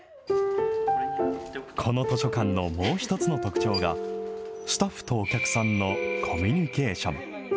この図書館のもう一つの特徴が、スタッフとお客さんのコミュニケーション。